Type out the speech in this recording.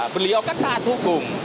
beliau kan tahan hukum